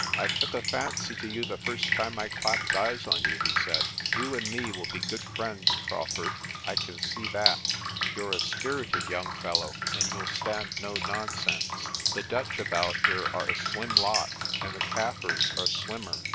"I took a fancy to you the first time I clapped eyes on you," he said. "You and me will be good friends, Crawfurd, I can see that. You're a spirited young fellow, and you'll stand no nonsense. The Dutch about here are a slim lot, and the Kaffirs are slimmer.